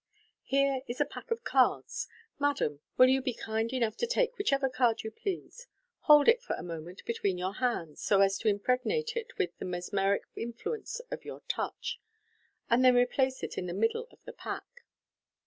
" Here is a pack of cards. Madam, will you be kind enough to take whichever card you please j hold it for a moment between your hands, so as to impregnate it with the mesmeric influence of your touch, and then replace it in the middle of the pack.